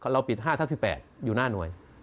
เราปิด๕ทับ๑๘อยู่หน้าหน่วย